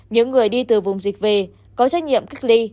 những người đi từ vùng dịch về có trách nhiệm cách ly